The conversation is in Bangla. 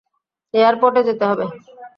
এয়ারপোর্টে যেতে হবে।